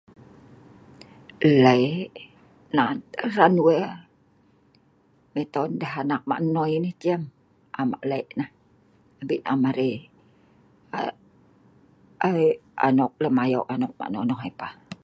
Nle' nan tah hran we'. Miton deh anak ma' nnoi nah chiem, am eek le' nah. Abei am arai ee le' anok ma' nonoh ai pah.